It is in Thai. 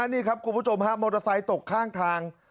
นี่ครับคุณผู้ชมฮะมอเตอร์ไซค์ตกข้างทาง